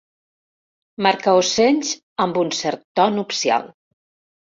Marcar ocells amb un cert to nupcial.